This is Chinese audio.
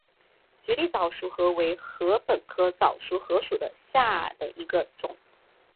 雪地早熟禾为禾本科早熟禾属下的一个种。